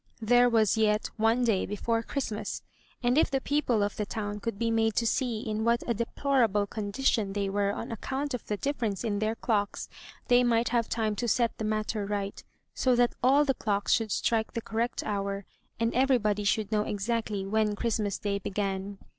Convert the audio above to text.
There was yet one day before Christmas; and if the people of the town could be made to see in what a deplorable condition they were on account of the difference in their clocks, they might have time to set the matter right so that all the clocks should strike the correct hour, and everybody should know exactly when Christmas Day began.